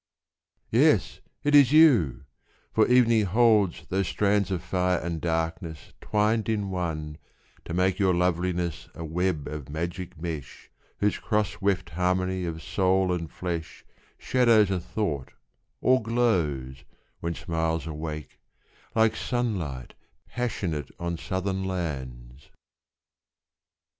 Yes, it is you: for evening holds those strands Of fire and darkness twined in one to make Your loveliness a web of magic mesh, Whose cross weft harmony of soul and flesh Shadows a thought or glows, when smiles awake, Like sunlight passionate on southern lands.